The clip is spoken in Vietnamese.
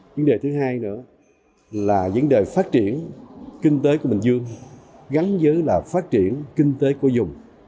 vấn đề thứ hai nữa là vấn đề phát triển kinh tế của bình dương gắn với phát triển kinh tế của dùng